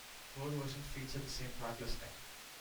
Both versions featured the same track listing.